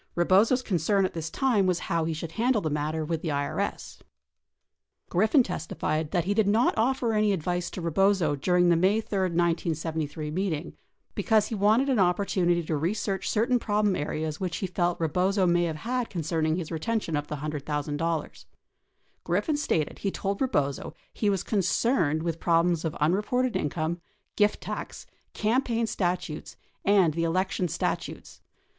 Rebozo's concern at this time was how he should handle the matter Avith the IRS. 30 Griffin testified that he did not offer any advice to Rebozo during the May 3, 1973, meeting because he wanted an opportunity to research certain problem areas which he felt Rebozo may have had concerning his retention of the $100,000. Griffin stated he told Rebozo he Avas con cerned Avith problems of unreported income, gift tax, campaign stat utes, and the election statutes.